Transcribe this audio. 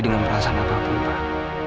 dengan perasaan apa pun pak